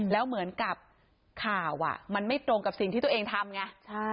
แล้วเหมือนกับข่าวมันไม่ตรงกับสิ่งที่ตัวเองทำไง